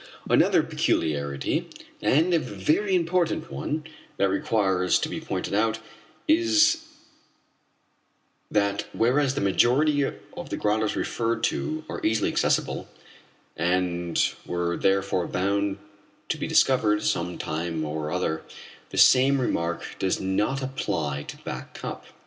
Another peculiarity, and a very important one, that requires to be pointed out, is that whereas the majority of the grottoes referred to are easily accessible, and were therefore bound to be discovered some time or other, the same remark does not apply to Back Cup.